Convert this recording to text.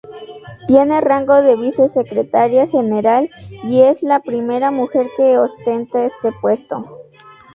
Tiene rango de vice-secretaria general y esl a primera mujer que ostenta este puesto.